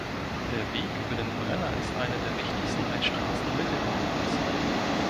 Der Weg über den Brenner ist eine der wichtigsten Altstraßen Mitteleuropas.